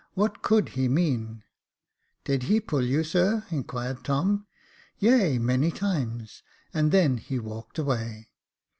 What could he mean .''" "Did he puil you, sir?" inquired Tom. Yea many times ; and then he walked away."